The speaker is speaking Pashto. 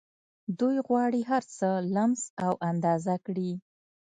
دوی غواړي هرڅه لمس او اندازه کړي